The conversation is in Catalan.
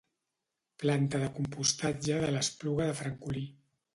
Planta de compostatge de l'Espluga de Francolí.